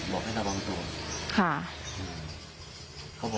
บอกให้น่าป้องกันตัว